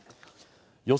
予想